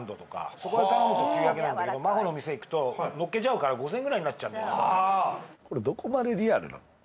そこで頼むと９００円なんだけどまほの店行くと乗っけちゃうから５０００円ぐらいになっちゃうんだよねこれ。